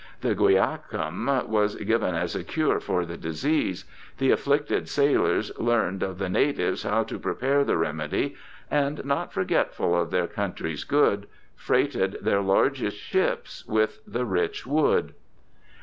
The guaiacum was given as a cure for the disease. The afflicted sailors learned of the natives how to prepare the remedy, and not forgetful of their country's good, freighted their largest ships with the rich wood.